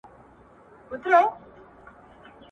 اړیکې باید پر اعتماد ولاړې وي.